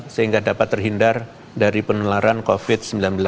sehingga dapat terhindar dari penularan covid sembilan belas